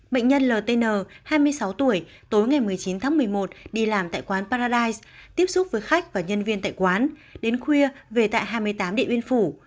bệnh nhân ltn hai mươi sáu tuổi tối ngày một mươi chín tháng một mươi một đi làm tại quán paradise tiếp xúc với khách và nhân viên tại quán đến khuya về tại hai mươi tám địa biên phủ